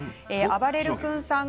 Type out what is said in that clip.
あばれる君さん